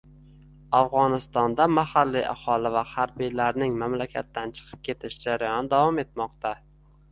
Afg‘onistonda mahalliy aholi va harbiylarning mamlakatdan chiqib ketish jarayoni davom etmoqda